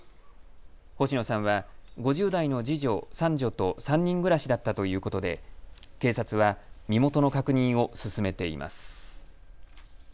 星野さんは５０代の次女、三女と３人暮らしだったということで警察は身元の確認を進めています。